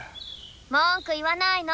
文句言わないの。